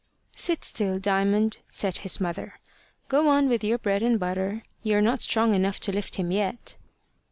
"Sit still, Diamond," said his mother. "Go on with your bread and butter. You're not strong enough to lift him yet."